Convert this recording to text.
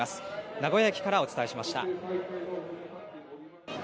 名古屋駅からお伝えしました。